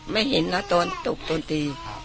ไม่เห็นนะตอนตกตอนตี